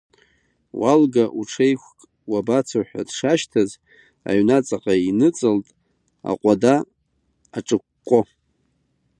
Уалга, уҽеиқәк, уабацо ҳәа дшашьҭаз, аҩнаҵаҟа иныҵалт аҟәада аҿыкәкәо.